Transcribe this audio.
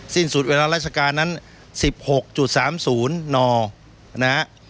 สิ้นสุดเวลาราชการนั้น๑๖๓๐นนะฮะ